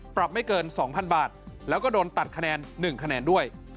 ไม่เกิน๒๐๐๐บาทแล้วก็โดนตัดคะแนน๑คะแนนด้วย